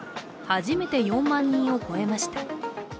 初めて４万人を超えました。